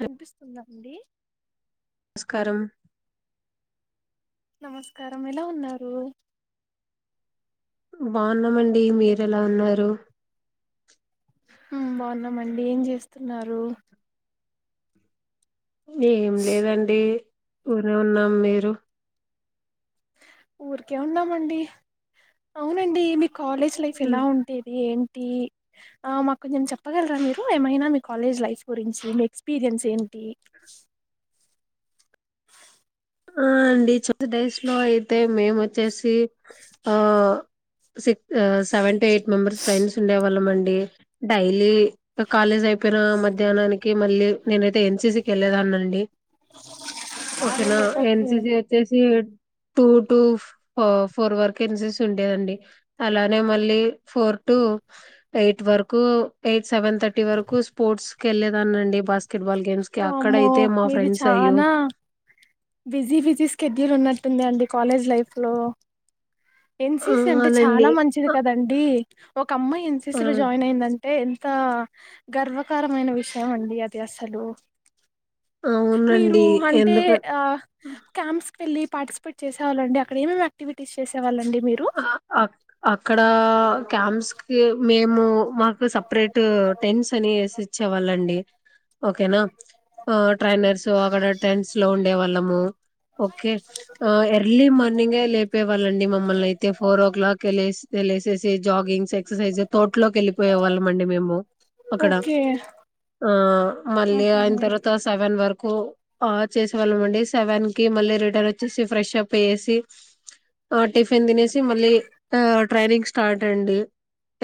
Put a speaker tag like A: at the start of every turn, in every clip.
A: వినిపిస్తుంద అండి
B: నమస్కారం
A: నమస్కారం ఎలా ఉన్నారు
B: బాగున్నామండి మీరెలా ఉన్నారు
A: బాగున్నామండి ఏం చేస్తున్నారు
B: ఏం లేదండి ఊర్కె ఉన్నాం మీరు
A: ఊరికే ఉన్నామండి అవునండి మీ కాలేజ్ లైఫ్ ఎలా ఉండేది ఏం ఆ మాకు కొంచం చెప్పగలరా మీరు ఏమైనా మీ కాలేజ్ లైఫ్ గురించి మీ ఎక్స్పీరియన్స్ ఏంటి
B: ఆ అండి చెప్తా డేస్ లో అయితే మేము వచ్చేసి ఆ క్స్ seven to eight member friends ఉండ వాళ్ళండి డైలీ కాలేజ్ అయిపోయిన మధ్యాహ్నానికి మళ్ళీ నేనైతే ఎన్సిసికి వెళ్ళలేదాన్నిండి ఓకేనా
A: ఓకే
B: ఎన్సిసి వచ్చే స టూ టూఫ ఫోర్ వర్కస ఉండేదండి అలానే మళ్ళీ ఫోర్ టూ ఎయిట్ వరకు ఎయిట్ సెవెన్ థర్టీ వరకు స్పోర్ట్స్ క వెళ్ళలేదాన్ని అండి బస్ స్కెట్ బాల్ గేమ్స్ కి అక్కడ
A: వామ్మో
B: అయితే మా
A: మీది
B: ఫ్రెండ్స్ అయ్యో
A: చానా బిజీ బిజీ స్కెడ్యూల్ ఉన్నట్టుంది అండి కాలేజ్ లైఫ్ లో
B: ఆ
A: ఎన్సిసి అంటే
B: అవునండి
A: చాలా మంచిది
B: అ
A: కదండి ఒక అమ్మాయి ఎన్సిసి లో
B: ఆ
A: జాయిన్ అయిందండి అంటే ఎంత గర్వకరమైన విషయం అండి అది అసలు మీరు
B: అవునండి
A: అంటే
B: ఎందుక
A: ఆ క్యాంప్స్ వెళ్ళి పార్టిసిపేట్సవాళ్ళండి అక్కడ ఏేమి యాటివిటీస్ చేసేవాళ్ళండి మీరు
B: అ అక్కడ క్యాంప్స్ కి మేము మాకు సపరేట్ టెంట్స్ అని వేసి ఇచ్చేవాళ్ళండి ఓకేనా ట్రైనర్స్ అక్కడ టెంట్స్ లో ఉండే వాళ్ళము ఓకే ఎర్లీ మార్నింగ్ే లేపే కావాలండి మమ్మల్ని అతే అయితే ఫోర్ ఓ క్లాక్ వె తెలిసేసి జాగింగ్స్ ఎక్సర్సైజ్ తోటలోకి వెళ్ళిపోయే వాళ్ళం అండి మేము అక్కడ
A: ఓకే
B: ఆ మళ్ళీ ఆయిన తర్వాత సెవెన్ వరక్ చేేవాళ్ళం సెవెన్ కి మళ్ళ రిటర్న్ వచ్చే ఫ్రెష్ప్ వసి టిఫిన్ తినేవాల్లము మళ్ళీ ట్రైనింగ్ స్టార్ట్ అండి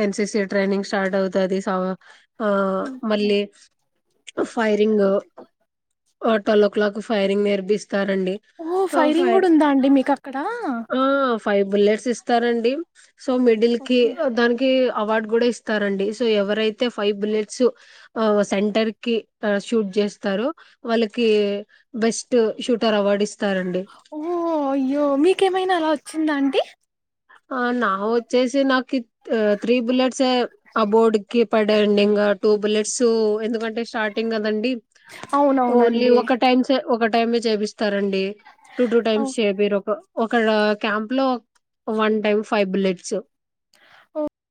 B: ఎన్సిసి ట్రైనింగ్ స్టార్ట్ అవుతుది ఆ
A: ఓకే
B: మళ్ళీ ఫైరింగ్ ఓ ట్వల్ ఓ క్లాక్ ఫైరింగ్ నేర్పిస్తుంది
A: ఓ ఫైరింగ్ఉందా అండి మీకు అక్కడ
B: ఫైవ్ బుల్లెట్స్ ఇస్తారండి సో మిడిల్కి
A: ఓకే
B: దానికియా అవార్డ్ కూడా ఇస్తారండి, సో ఎవరైతే ఫైవ్ బుల్లెట్సు అవ్ సెంటర్కి షూట్ చేస్తారో వాళ్ళకి బెస్ట్ షూటర్ అవార్డు ఇస్త్
A: ఓ యో మీకేమైనా రవ్ చ్చిందా అండి
B: ఆ నా వొచ్చేసి నాకు త త్రీ బుల్లెట్సే ఆ బోర్డ్ కి పడండి ఇంకా టూ బుల్లెటుసు ఎందుకంటే స్టార్టింగ్ కదాండి ఓన్లీ
A: అవునవునండి
B: ఒక టైమ్సే ఒకట్ టైమే చేపిస్తారండి టూ టూ
A: ఓ
B: టైమ్స్ చేపిరు ఒక ఓక్ క్కడ క్యాంప్ లో one time five bullet so
A: ఓ